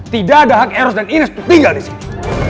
tidak ada hak eros dan ines untuk tinggal disini